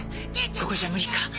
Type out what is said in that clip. ここじゃ無理か